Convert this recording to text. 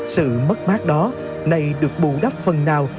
sự mất mát đó này được bù đắp phần nào